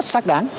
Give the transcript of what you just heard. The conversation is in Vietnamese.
rất sắc đáng